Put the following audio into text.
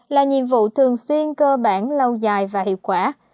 là nhiệm vụ thường xuyên cơ bản lâu dài và hiệu quả